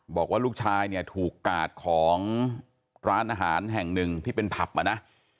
บอกว่าลูกชายเนี่ยถูกกาดของร้านอาหารแห่งหนึ่งที่เป็นผับอ่ะนะ